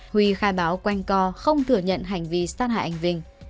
huy khai báo quanh co không thừa nhận hành vi sát hại anh vinh